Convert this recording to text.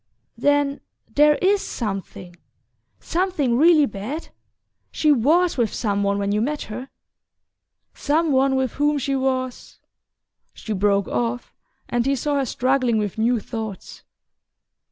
"Then there IS something something really bad? She WAS with some one when you met her? Some one with whom she was " She broke off, and he saw her struggling with new thoughts.